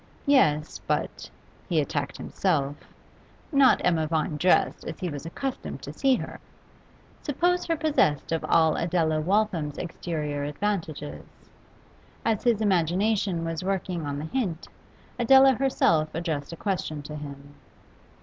Yes, but he attacked himself not Emma Vine dressed as he was accustomed to see her; suppose her possessed of all Adela Waltham's exterior advantages. As his imagination was working on the hint, Adela herself addressed a question to him.